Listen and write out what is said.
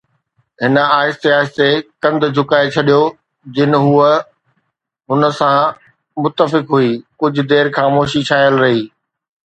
هن آهستي آهستي ڪنڌ جهڪائي ڇڏيو. ڄڻ هوءَ هن سان متفق هئي. ڪجهه دير خاموشي ڇانيل رهي